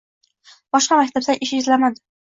Boshqa maktabdan ish izlamadi.